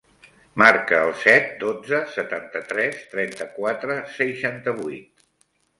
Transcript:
Marca el set, dotze, setanta-tres, trenta-quatre, seixanta-vuit.